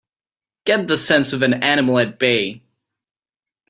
Get the sense of an animal at bay!